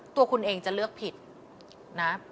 ตัวคุณเองจะเลือกผิดนะ